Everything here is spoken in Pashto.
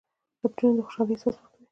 عطرونه د خوشحالۍ احساس ورکوي.